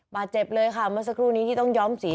บาดเจ็บเลยค่ะเมื่อสักครู่นี้ที่ต้องย้อมสี